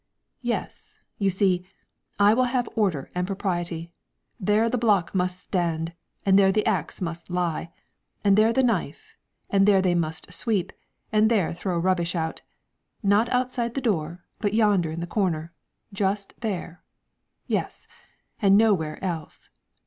"Yes, you see, I will have order and propriety; there the block must stand, and there the axe must lie, and there the knife, and there they must sweep, and there throw rubbish out, not outside the door, but yonder in the corner, just there yes; and nowhere else.